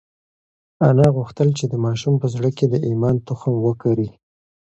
انا غوښتل چې د ماشوم په زړه کې د ایمان تخم وکري.